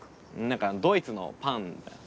何かドイツのパンだよ。